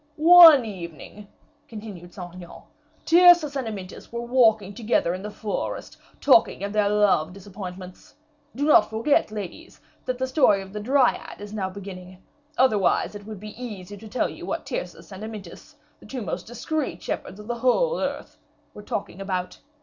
"One evening," continued Saint Aignan, "Tyrcis and Amyntas were walking together in the forest, talking of their love disappointments. Do not forget, ladies, that the story of the Dryad is now beginning, otherwise it would be easy to tell you what Tyrcis and Amyntas, the two most discreet shepherds of the whole earth, were talking about.